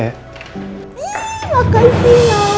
ihh makasih ya